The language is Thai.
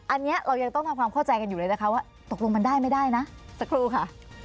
อันนี้เรายังต้องทำความเข้าใจกันอยู่เลยนะคะว่าตกลงมันได้ไม่ได้นะสักครู่ค่ะ